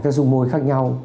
các dung môi khác nhau